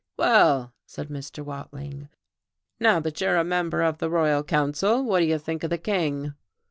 "Well," said Mr. Watling, "mow that you're a member of the royal council, what do you think of the King?"